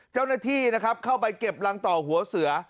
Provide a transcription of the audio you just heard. เจ้าหน้าที่นะครับเข้าไปเก็บรังต่อหัวเสือ